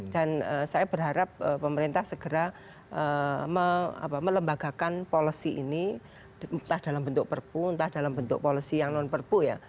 saya berharap pemerintah segera melembagakan policy ini entah dalam bentuk perpu entah dalam bentuk policy yang non perpu ya